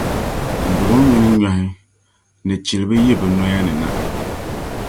buɣim mini nyɔhi ni chilibi yi bɛ noya ni na.